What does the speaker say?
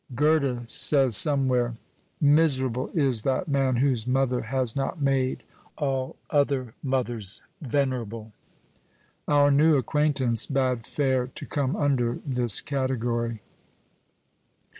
Goethe says somewhere, "Miserable is that man whose mother has not made all other mothers venerable." Our new acquaintance bade fair to come under this category.